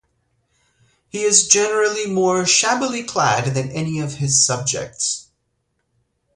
He is generally more shabbily clad than any of his subjects.